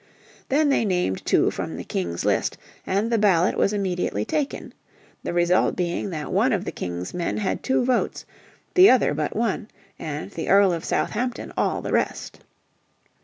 Then they named two from the King's list, and the ballot was immediately taken; the result being that one of the King's men had two votes, the other but one, and the Earl of Southampton all the rest.